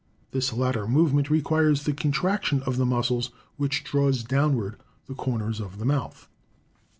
This latter movement requires the contraction of the muscles which draw downwards the corners of the mouth.